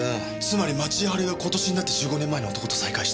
つまり町井春枝は今年になって１５年前の男と再会した。